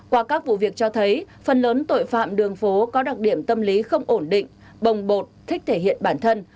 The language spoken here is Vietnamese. qua các vụ việc cho thấy phần lớn tội phạm đường phố có đặc điểm tâm lý không ổn định bồng bột thích thể hiện bản thân